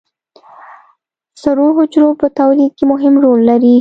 سرو حجرو په تولید کې مهم رول لري